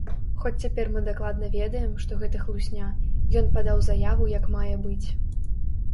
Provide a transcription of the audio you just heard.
Хоць цяпер мы дакладна ведаем, што гэта хлусня, ён падаў заяву як мае быць.